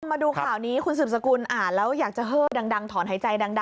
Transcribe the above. มาดูข่าวนี้คุณสืบสกุลอ่านแล้วอยากจะเฮ่อดังถอนหายใจดัง